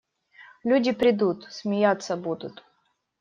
Люди придут – смеяться будут.